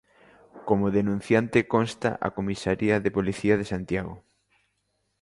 Como denunciante consta a comisaría de Policía de Santiago.